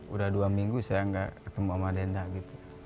udah dua minggu saya nggak ketemu sama denda gitu